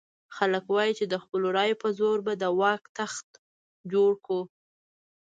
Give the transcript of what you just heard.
خلک وایي چې د خپلو رایو په زور به د واک تخت جوړ کړو.